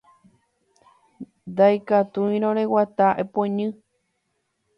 Ndaikatúirõ reguata, epoñy